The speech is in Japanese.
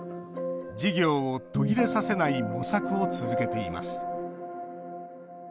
事業を途切れさせない模索を続けています